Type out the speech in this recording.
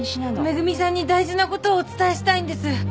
恵さんに大事な事をお伝えしたいんです。